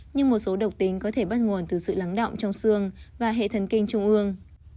nhưng một số độc tính có thể bắt nguồn từ sự lắng động trong xương và hệ thần kinh trung ương